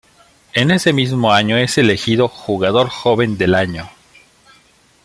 En ese mismo año es elegido "Jugador Joven del Año".